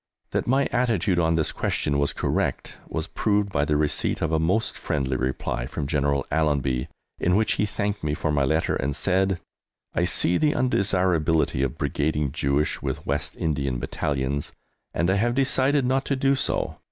That my attitude on this question was correct was proved by the receipt of a most friendly reply from General Allenby, in which he thanked me for my letter and said: I see the undesirability of brigading Jewish with West Indian Battalions, and I have decided not to do so.